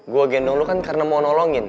gue gendong lu kan karena mau nolongin